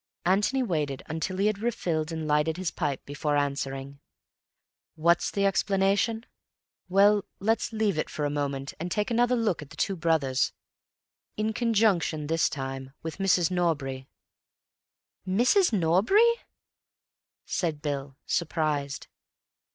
Antony waited until he had refilled and lighted his pipe before answering. "What's the explanation? Well, let's leave it for a moment and take another look at the two brothers. In conjunction, this time, with Mrs. Norbury." "Mrs. Norbury?" said Bill, surprised.